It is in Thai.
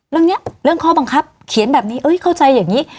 เรื่องนี้เรื่องข้อบังคับเขียนแบบนี้เอ้ยเข้าใจอย่างนี้